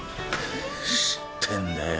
知ってんだよ。